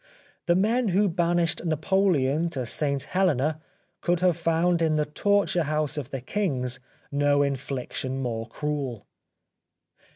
The men who banished Napoleon to St Helena could have found in the torture house of the kings no infliction more cruel.